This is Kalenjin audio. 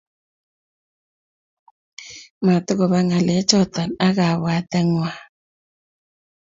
Matukopa ng'alechotok ak kapwateng ng'wahi